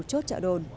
chốt trợ đồn